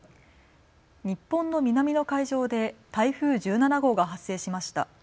日本の南の海上で台風１７号が発生しました。